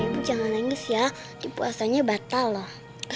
ibu jangan nangis ya di puasanya batal loh